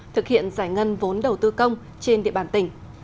thực hiện giải ngân vốn đầu tư công trên địa bàn tỉnh